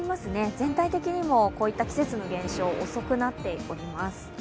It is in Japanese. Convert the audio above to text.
全体的にも、こういった季節の現象遅くなっております。